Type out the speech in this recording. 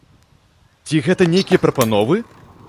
Ці гэта нейкія прапановы?